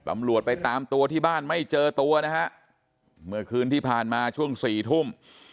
ตำรวจไปตามตัวที่บ้านไม่เจอตัวนะฮะเมื่อคืนที่ผ่านมาช่วงสี่ทุ่ม